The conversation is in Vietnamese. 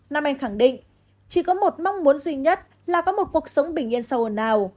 nam anh khẳng định chỉ có một mong muốn duy nhất là có một cuộc sống bình yên sâu hơn nào